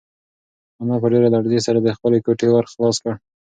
انا په ډېرې لړزې سره د خپلې کوټې ور خلاص کړ.